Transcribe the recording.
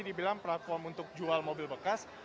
dibilang platform untuk jual mobil bekas